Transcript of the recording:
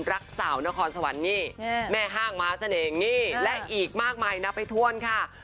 รักสาวนครสวรรค์นี่แม่ห้างม้าเสน่ห์นี่และอีกมากมายนับไปถ้วนค่ะ